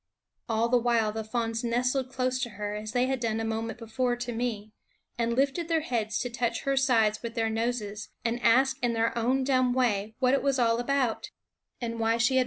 All the while the fawns nestled close to her, as they had done a moment before to me, and lifted their heads to touch her sides with their noses, and ask in their own dumb way what it was all about, and why she had run away.